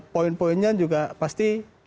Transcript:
poin poinnya juga pasti